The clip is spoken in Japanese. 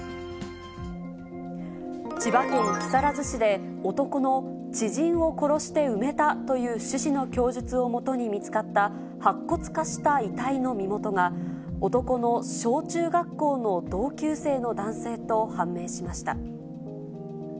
千葉県木更津市で、男の知人を殺して埋めたという趣旨の供述をもとに見つかった白骨化した遺体の身元が、男の小中学校の同級生の男性と判明しました。